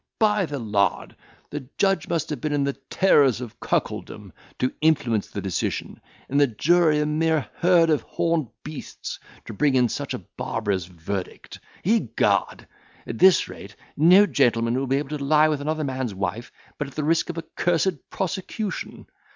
By the lard! the judge must have been in the terrors of cuckoldom, to influence the decision; and the jury a mere herd of horned beasts, to bring in such a barbarous verdict. Egad! at this rate, no gentleman will be able to lie with another man's wife, but at the risk of a cursed prosecution.